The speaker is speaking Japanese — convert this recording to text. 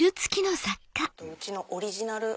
うちのオリジナル。